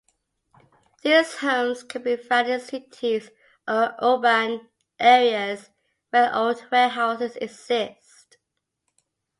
These homes can be found in cities or urban areas where old warehouses exist.